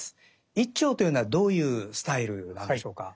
一調というのはどういうスタイルなんでしょうか？